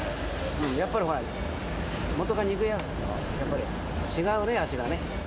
やっぱりほら、元が肉屋さんだからね、やっぱり違うね、味がね。